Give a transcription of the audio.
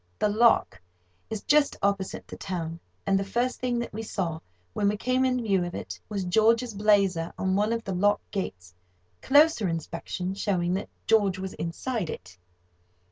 The lock is just opposite the town, and the first thing that we saw, when we came in view of it, was George's blazer on one of the lock gates, closer inspection showing that George was inside it.